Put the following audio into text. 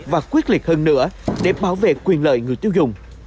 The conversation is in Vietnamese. và quyết liệt hơn nữa để bảo vệ quyền lợi người tiêu dùng